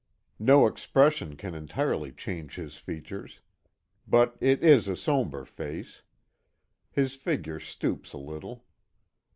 No expression can entirely change his features, but it is a sombre face. His figure stoops a little.